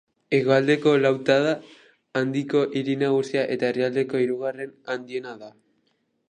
Hegoaldeko Lautada Handiko hiri nagusia eta herrialdeko hirugarren handiena da.